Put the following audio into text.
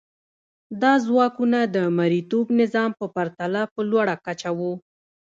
دا ځواکونه د مرئیتوب نظام په پرتله په لوړه کچه وو.